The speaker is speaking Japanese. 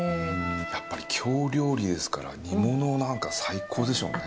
やっぱり京料理ですから煮物なんか最高でしょうね。